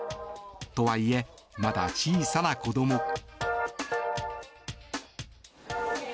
とはいえ、まだ小さな子供。